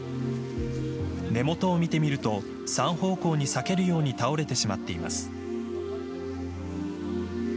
根本を見てみると３方向に裂けるように倒れてしまっています。